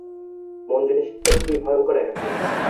মন জিনিসটা কী ভয়ংকর একাকী!